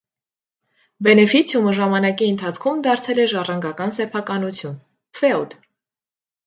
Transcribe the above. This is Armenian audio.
Բենեֆիցիումը ժամանակի ընթացքում դարձել է ժառանգական սեփականություն՝ ֆեոդ։